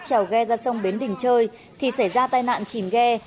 trèo ghe ra sông bến đình chơi thì xảy ra tai nạn chìm ghe